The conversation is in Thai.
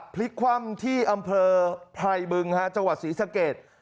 พลิกคว่ำที่อำเภอไพรบึงจังหวัดศรีสะเกด